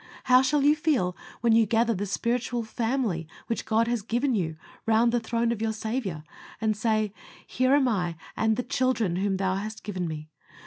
How shall you feel when you gather the spiritual family which God has given you round the throne of your Saviour, and say, "Here am I and the children whom Thou hast given me"?